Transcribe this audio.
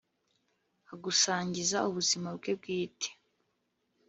agusangiza ubuzima bwe bwite